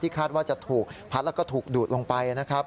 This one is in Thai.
คาดว่าจะถูกพัดแล้วก็ถูกดูดลงไปนะครับ